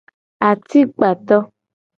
Atikpato.